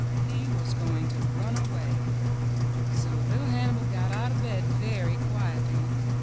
He was going to run away ! So Li'r Hannibal got out of bed very quietly.